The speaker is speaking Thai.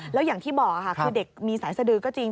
แล้วอย่างที่บอกค่ะคือเด็กมีสายสดือก็จริง